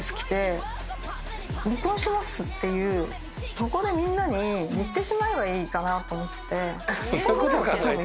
そこでみんなに言ってしまえばいいかなと思って。